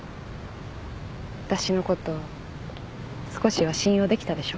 私のこと少しは信用できたでしょ？